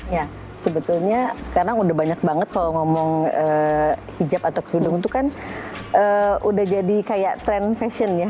ya sebetulnya sekarang udah banyak banget kalau ngomong hijab atau kerudung itu kan udah jadi kayak tren fashion ya